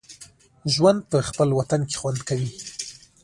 ژوند په خپل وطن کې خوند کوي